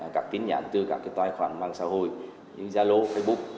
các tin nhắn từ các tài khoản mạng xã hội như gia lô facebook